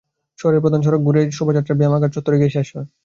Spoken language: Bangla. শহরের প্রধান প্রধান সড়ক ঘুরে শোভাযাত্রা ব্যায়ামাগার চত্বরে গিয়ে শেষ হয়।